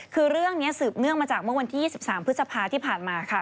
คือเรื่องนี้สืบเนื่องมาจากเมื่อวันที่๒๓พฤษภาที่ผ่านมาค่ะ